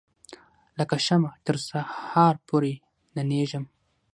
لکه شمعه تر سهار پوري ننیږم